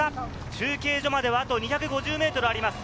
中継所までは、あと２５０ｍあります。